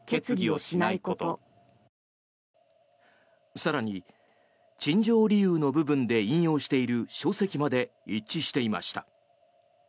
更に陳情理由の部分で引用している書籍まで一致していました。